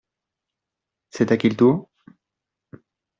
C’est à qui le tour ?